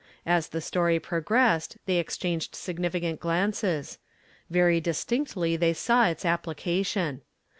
As the story progressed they exchanged significant glances; very distinctly they saw its application.